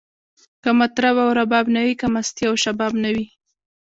که مطرب او رباب نه وی، که مستی او شباب نه وی